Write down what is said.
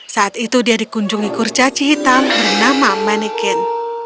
saat itu dia dikunjungi kurcaci hitam bernama manikin